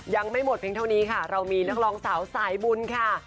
ยังไม่หมดเพียงเท่านี้ค่ะเรามีนักร้องสาวสายบุญค่ะ